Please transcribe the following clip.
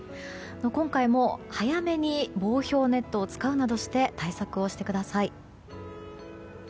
今回も早めに防氷ネットを使うなどして対策をしてください。